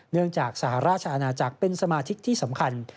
จากสหราชอาณาจักรเป็นสมาชิกที่สำคัญ